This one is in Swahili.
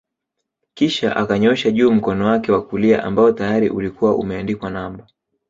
Kisha akanyoosha juu mkono wake wa kulia ambao tayari ulikuwa umeandikwa namba